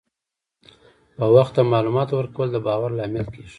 په وخت د معلوماتو ورکول د باور لامل کېږي.